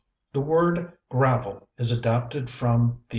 The word "gravel" is adapted from the O.